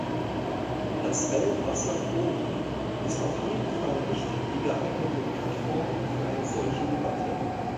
Das Weltwasserforum ist auf jeden Fall nicht die geeignete Plattform für eine solche Debatte.